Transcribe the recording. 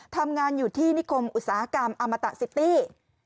ทำงานอยู่ที่นิคมอุตสาหกรรมอมตะซิตี้